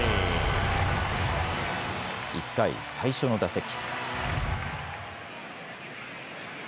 １回、最初の打席。